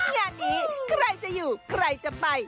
งั้นนี้ใครขยายจะอยู่ใครจะไป